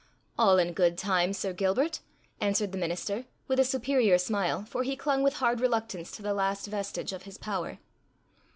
"All in good time, Sir Gilbert," answered the minister, with a superior smile, for he clung with hard reluctance to the last vestige of his power.